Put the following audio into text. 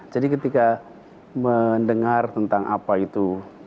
jadi ketika mendengar tentang apa itu